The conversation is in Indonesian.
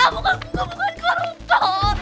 bokap gue bukan koruptor